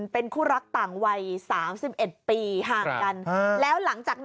เป็นคู่รักต่างวัยสามสิบเอ็ดปีห่างกันครับแล้วหลังจากนั้น